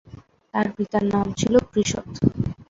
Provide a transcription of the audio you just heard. তার পিতার নাম ছিল পৃষত।